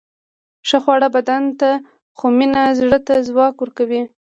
ښه خواړه بدن ته، خو مینه زړه ته ځواک ورکوي.